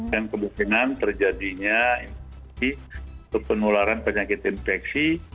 dan kebiasaan terjadinya penularan penyakit infeksi